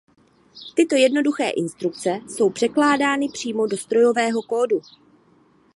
Tyto jednoduché instrukce jsou překládány přímo do strojového kódu.